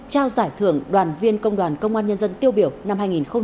trao giải thưởng đoàn viên công đoàn công an nhân dân tiêu biểu năm hai nghìn hai mươi ba